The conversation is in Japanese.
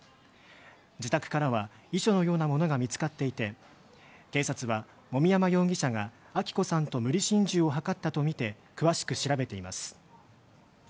自宅からは遺書のようなものが見つかっていて、警察は籾山容疑者が亜紀子さんと無理心中を図ったとみて詳しく調べています。